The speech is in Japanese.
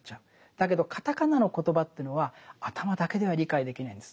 だけどカタカナのコトバというのは頭だけでは理解できないんです。